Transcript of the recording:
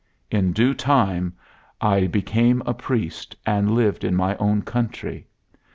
In due time I became a priest and lived in my own country.